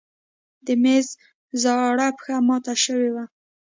د مېز زاړه پښه مات شوې وه.